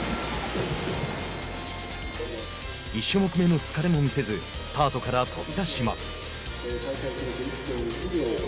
１種目めの疲れも見せずスタートから飛び出します。